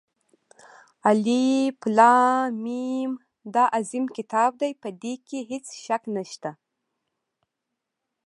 الف لام ، میم دا عظیم كتاب دى، په ده كې هېڅ شك نشته.